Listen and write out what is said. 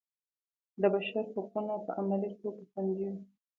د بشر حقونه په عملي توګه خوندي وي.